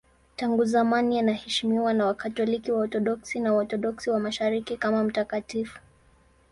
Tangu zamani anaheshimiwa na Wakatoliki, Waorthodoksi na Waorthodoksi wa Mashariki kama mtakatifu.